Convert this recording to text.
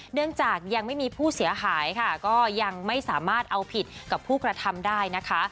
เนื่องจากยังไม่มีผู้เสียหายค่ะก็ยังไม่สามารถเอาผิดกับผู้กระทำได้นะคะ